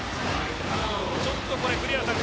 ちょっと栗原さん